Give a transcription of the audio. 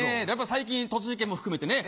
最近栃木県も含めてね